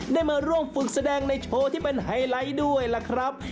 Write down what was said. ได้มาร่วมฝึกแสดงในโชว์ที่เป็นไฮไลท์ด้วยล่ะครับ